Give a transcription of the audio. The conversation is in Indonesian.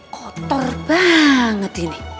kotor banget ini